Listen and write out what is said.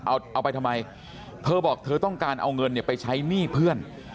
เอาเอาไปทำไมเธอบอกเธอต้องการเอาเงินเนี่ยไปใช้หนี้เพื่อน